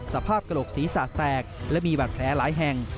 สภาพกระโหลกสีสาดแตกและมีบาดแพ้หลายแห่ง